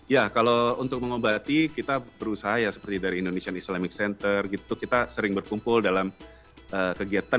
ya kalau untuk mengobati kita berusaha ya seperti dari indonesian islamic center gitu kita sering berkumpul dalam kegiatan